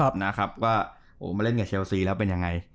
ว่ามาเล่นกับเชลซีแล้วเป็นยังไง